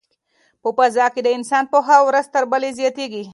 په فضا کې د انسان پوهه ورځ تر بلې زیاتیږي.